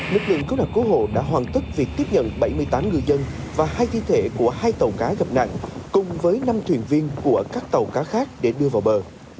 lực lượng cứu nạn cứu hộ đã hoàn tất việc tiếp nhận bảy mươi tám ngư dân và hai thi thể của hai tàu cá gặp nạn cùng với năm thuyền viên của các tàu cá khác để đưa vào bờ